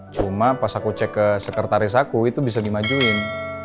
cuma pas aku cek ke sekretaris aku itu bisa dimajuin